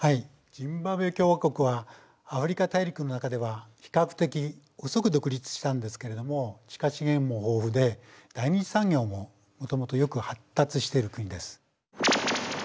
ジンバブエ共和国はアフリカ大陸の中では比較的遅く独立したんですけれども地下資源も豊富で第２次産業ももともとよく発達している国です。